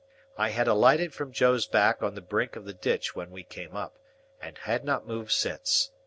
I had alighted from Joe's back on the brink of the ditch when we came up, and had not moved since.